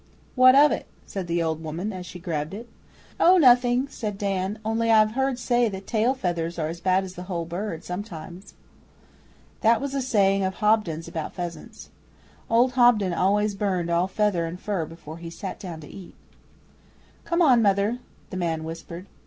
'What of it?' said the old woman, as she grabbed it. 'Oh, nothing!' said Dan. 'Only I've heard say that tail feathers are as bad as the whole bird, sometimes.' That was a saying of Hobden's about pheasants. Old Hobden always burned all feather and fur before he sat down to eat. 'Come on, mother,' the man whispered.